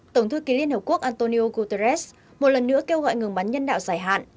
tổng thư ký liên hợp quốc antonio guterres một lần nữa kêu gọi ngừng bắn nhân đạo dài hạn